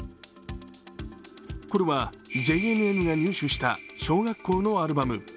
これはＪＮＮが入手した小学校のアルバム。